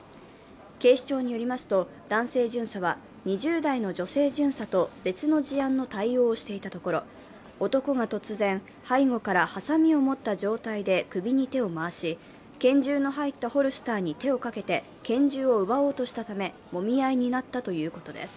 警視庁によりますと、男性巡査は２０代の女性巡査と別の事案の対応をしていたところ、男が突然背後からはさみを持った状態で首に手を回し、拳銃の入ったホルスターに手をかけて拳銃を奪おうとしたため、もみ合いになったということです。